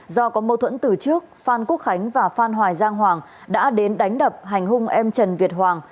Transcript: do có mâu thuẫn từ trước phan quốc khánh và phan hoài giang hoàng đã đến đánh đập hành hung em trần việt hoàng